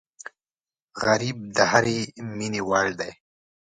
غریب د هرې مینې وړ دی